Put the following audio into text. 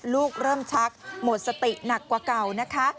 เริ่มชักหมดสติหนักกว่าเก่านะคะ